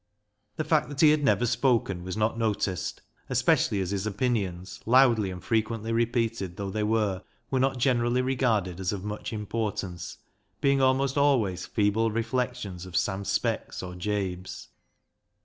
The fact that he had never spoken was not noticed, especially as his opinions, loudly and frequently repeated though they were, were not generally regarded as of much importance, being almost always feeble reflections of Sam Speck's or Jabe's.